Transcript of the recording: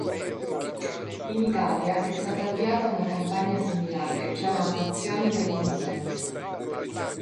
In Italia è stata avviata una campagna similare chiamata “Azioni del Buon Senso“.